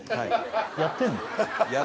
やってんの？